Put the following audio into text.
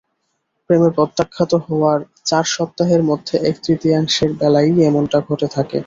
প্রেমে প্রত্যাখ্যাত হওয়ার চার সপ্তাহের মধ্যে এক-তৃতীয়াংশের বেলায়ই এমনটা ঘটে থাকে।